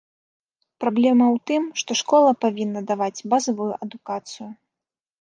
Праблема ў тым, што школа павінна даваць базавую адукацыю.